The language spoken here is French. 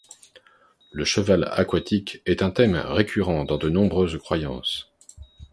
Le cheval aquatique est un thème récurrent dans de nombreuses croyances.